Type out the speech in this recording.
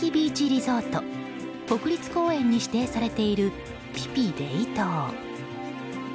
リゾート国立公園に指定されているピピ・レイ島。